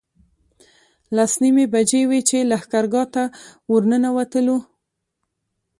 لس نیمې بجې وې چې لښکرګاه ته ورنوتلو.